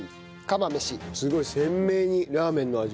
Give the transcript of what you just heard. すごい鮮明にラーメンの味。